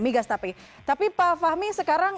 migas tapi tapi pak fahmi sekarang